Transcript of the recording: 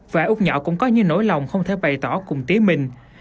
và út nhỏ cũng có như nỗi lòng không thể bày tỏ cùng tía mình